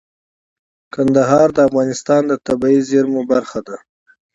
کندهار د افغانستان د طبیعي زیرمو برخه ده.